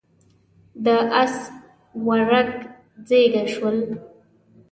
د اس ورږ زيږه شول.